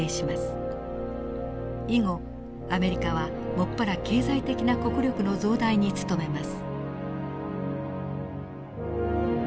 以後アメリカは専ら経済的な国力の増大に努めます。